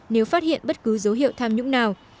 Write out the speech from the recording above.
nếu phát hiện bất cứ dấu hiệu tham nhũng nào